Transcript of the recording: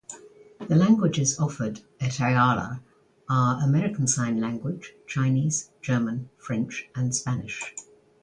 The languages offered at Ayala are American Sign Language, Chinese, German, French, and Spanish.